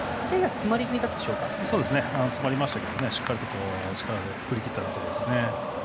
詰まり気味でしたがしっかりと力で振り切ったところですね。